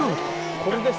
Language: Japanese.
これです。